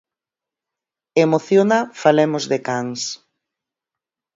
Emociona Falemos de Cans.